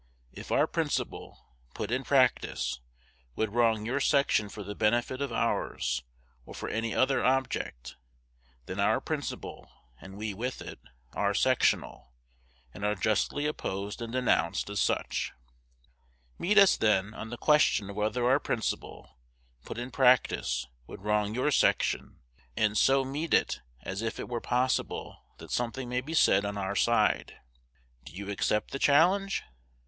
If our principle, put in practice, would wrong your section for the benefit of ours, or for any other object, then our principle, and we with it, are sectional, and are justly opposed and denounced as such. Meet us, then, on the question of whether our principle, put in practice, would wrong your section; and so meet it as if it were possible that something may be said on our side. Do you accept the challenge?